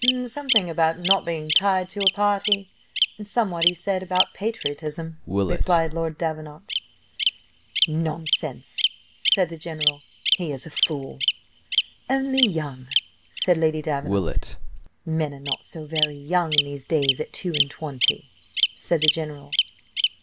"Something about not being tied to party, and somewhat he said about patriotism," replied Lord Davenant. "Nonsense!" said the general, "he is a fool." "Only young," said Lady Davenant, "Men are not so very young in these days at two and twenty," said the general.